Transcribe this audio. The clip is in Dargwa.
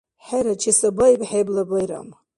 ХӀера, чесабаиб хӀебла байрам!